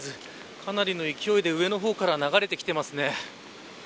かなりの勢いで上の方から流れてきていますね。